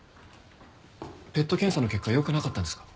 ＰＥＴ検査の結果良くなかったんですか？